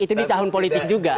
itu di tahun politik juga